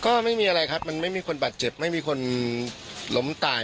ก็ไม่มีอะไรครับมันไม่มีคนบาดเจ็บไม่มีคนล้มตาย